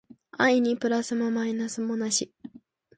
愛にプラスもマイナスもなし